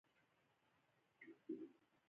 تایمني د سلطان غیاث الدین غوري معاصر او ملګری شاعر و